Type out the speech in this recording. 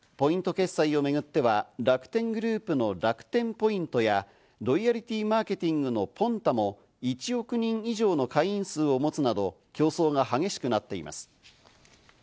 決済をめぐっては楽天グループの楽天ポイントやロイヤリティマーケティングのＰｏｎｔａも１億人以上の会員数を持つなど競争が激しくなっています。